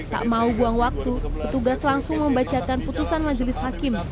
tak mau buang waktu petugas langsung membacakan putusan majelis hakim